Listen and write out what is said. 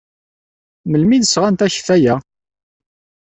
Melmi ay d-sɣant akeffay-a?